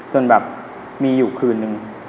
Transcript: จนแบบมีอยู่คืนนึง